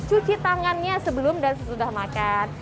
cuci tangannya sebelum dan sesudah makan